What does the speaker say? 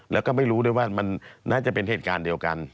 แล้วก็ไม่รู้ด้วยว่ามันน่าจะเป็นเหตุการณ์เดียวกัน